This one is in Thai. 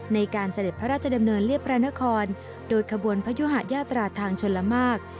เสด็จพระราชดำเนินเรียบพระนครโดยขบวนพยุหะยาตราทางชนละมาก